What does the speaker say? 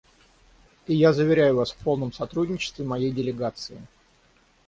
И я заверяю вас в полном сотрудничестве моей делегации.